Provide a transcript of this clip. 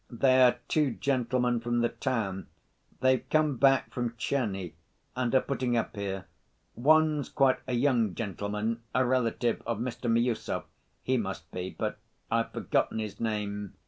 "They're two gentlemen from the town.... They've come back from Tcherny, and are putting up here. One's quite a young gentleman, a relative of Mr. Miüsov, he must be, but I've forgotten his name